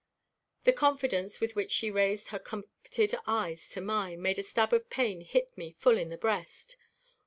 The confidence with which she raised her comforted eyes to mine made a stab of pain hit me full in the breast.